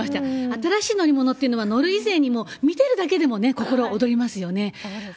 新しいものに乗るっていうのは、乗る以前に、もう見てるだけでも心躍りますよね。